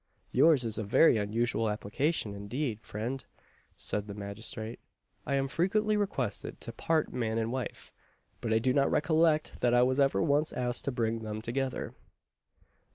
"Yours is a very unusual application, indeed, friend," said the magistrate; "I am frequently requested to part man and wife, but I do not recollect that I was ever once asked to bring them together."